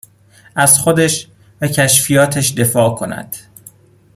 از خودش و کشفیاتش دفاع کند.